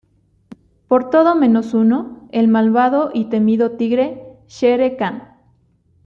Por todos menos uno: el malvado y temido tigre Shere Khan.